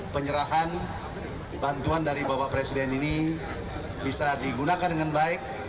penyerahan bantuan dari bapak presiden ini bisa digunakan dengan baik